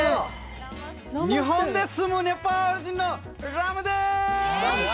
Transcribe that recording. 日本で住むネパール人のラムです。